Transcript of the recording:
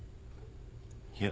いや。